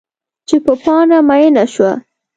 چې په پاڼه میینه شوه